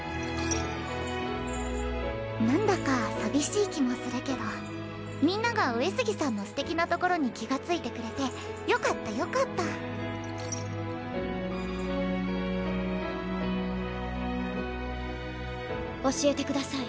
何だか寂しい気もするけどみんなが上杉さんのステキなところに気がついてくれてよかったよかった教えてください